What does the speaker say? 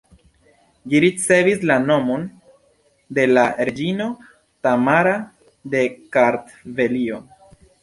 Ĝi ricevis la nomon de la reĝino Tamara de Kartvelio.